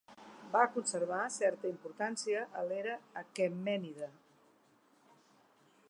Va conservar certa importància a l'era aquemènida.